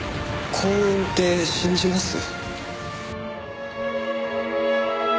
幸運って信じます？